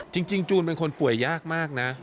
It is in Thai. จูนเป็นคนป่วยยากมากนะ